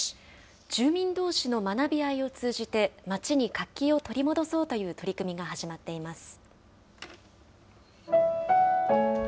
住民どうしの学び合いを通じて、町に活気を取り戻そうという取り組みが始まっています。